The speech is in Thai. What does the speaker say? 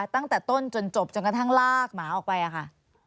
ตั้งแต่ต้นจนจบจนกระทั่งลากหมาออกไปอะค่ะ